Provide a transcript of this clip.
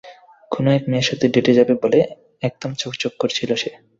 কোনো মেয়ের সাথে ডেটে যাবে বলে একদম চকচক করছিল সে।